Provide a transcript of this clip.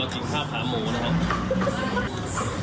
เราดูเรากินข้าวขาหมูนะฮะ